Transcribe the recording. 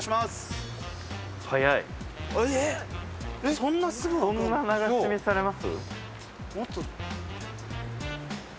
そんな流し見されます？